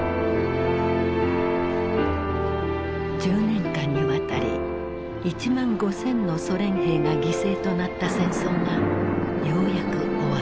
１０年間にわたり１万５，０００のソ連兵が犠牲となった戦争がようやく終わった。